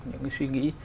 những cái suy nghĩ